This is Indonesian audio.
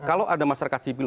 kalau ada masyarakat sipil